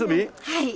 はい。